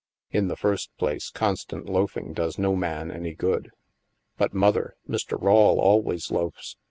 In the first place, constant loafing does no man any good." But, Mother, Mr. Rawle always loafs."